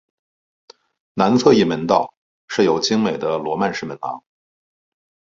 南侧翼门道设有精美的罗曼式门廊。